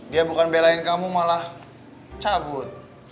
dia bukan belain kamu malah cabut